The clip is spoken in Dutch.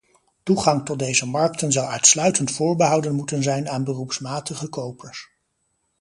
Toegang tot deze markten zou uitsluitend voorbehouden moeten zijn aan beroepsmatige kopers.